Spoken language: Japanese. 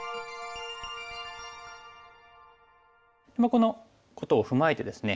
このことを踏まえてですね